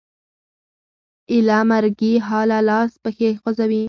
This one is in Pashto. ایله مرګي حاله لاس پښې خوځوي